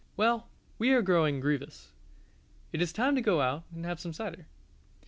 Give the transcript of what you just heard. Well, we are growing grievous: it is time to go out and have some cider.